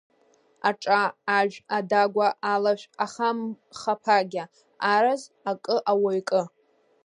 Аҿа, ажә, адагәа, алашә, ахамхаԥагьа, араз, акы ауаҩ кы…